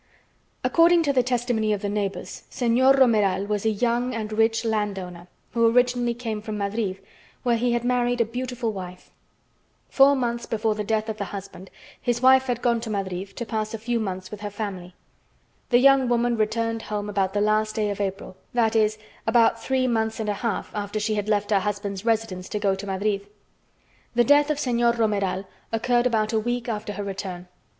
According to the testimony of the neighbors, Señor Romeral was a young and rich landowner who originally came from Madrid, where he had married a beautiful wife; four months before the death of the husband, his wife had gone to Madrid to pass a few months with her family; the young woman returned home about the last day of April, that is, about three months and a half after she had left her husband's residence to go to Madrid; the death of Señor Romeral occurred about a week after her return.